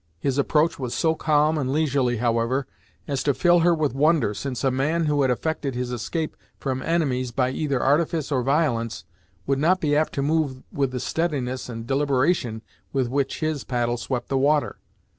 His approach was so calm and leisurely, however, as to fill her with wonder, since a man who had effected his escape from enemies by either artifice or violence, would not be apt to move with the steadiness and deliberation with which his paddle swept the water.